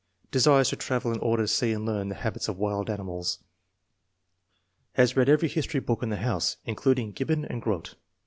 Desires to travel in order to see and learn the habits of wild animals. Has read every history book in the house, including Gib bon and Grote.